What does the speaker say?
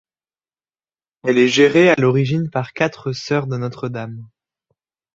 Elle est gérée à l'origine par quatre Sœurs de Notre-Dame.